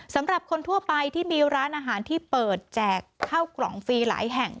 สำหรับคนทั่วไปที่มีร้านอาหารที่เปิดแจกข้าวกล่องฟรีหลายแห่ง